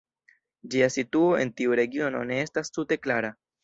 Ĝia situo en tiu regiono ne estas tute klara.